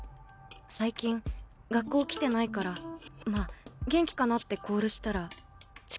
最近学校来てないからまあ元気かなってコールしたら近くから音が聞こえて。